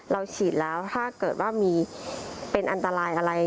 ฉีดแล้วถ้าเกิดว่ามีเป็นอันตรายอะไร